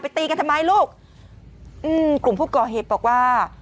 ตีกันทำไมลูกอืมกลุ่มผู้ก่อเหตุบอกว่า